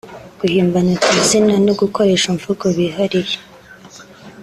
Guhimbana utuzina no gukoresha imvugo bihariye